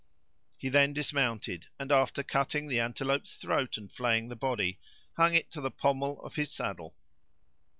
He then dismounted; and, after cutting the antelope's throat and flaying the body, hung it to the pommel of his saddle.